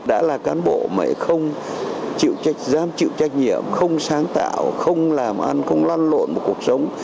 đã là cán bộ mà không chịu trách giám chịu trách nhiệm không sáng tạo không làm ăn không lăn lộn một cuộc sống